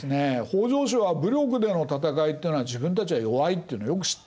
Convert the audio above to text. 北条氏は武力での戦いっていうのは自分たちは弱いっていうのをよく知ってるわけです。